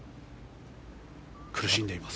苦しんでいます。